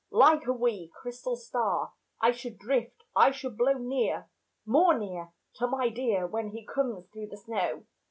Like a wee, crystal star I should drift, I should blow Near, more near, To my dear Where he comes through the snow.